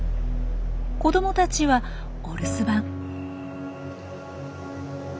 子どもたちはお留守番。